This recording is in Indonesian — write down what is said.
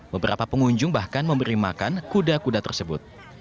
beberapa pengunjung bahkan memberi makan kuda kuda tersebut